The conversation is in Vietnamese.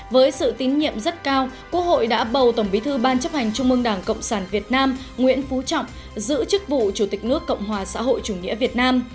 với sự tín nhiệm rất cao quốc hội đã bầu tổng bí thư ban chấp hành trung mương đảng cộng sản việt nam nguyễn phú trọng giữ chức vụ chủ tịch nước cộng hòa xã hội chủ nghĩa việt nam